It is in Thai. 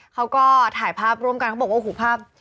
เขาก็ถ่ายภาพร่วมกันเขาบอกว่าโอ้โหภาพ